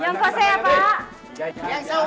yang koseng ya pak